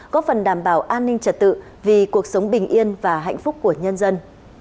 có phần đảm bảo an ninh trật tự vì cuộc sống bình yên và hạnh phúc của nhân dân